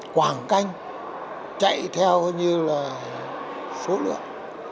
quảng canh chạy theo như là số lượng